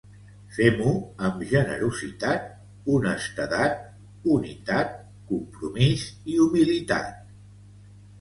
Fem-ho amb generositat, honestedat, unitat, compromís i humilitat.